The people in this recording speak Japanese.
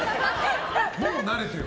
もう慣れてよ。